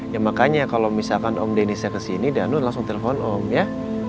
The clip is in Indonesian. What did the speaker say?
ya makanya kalau misalkan om denisa kesini danu langsung telepon om ya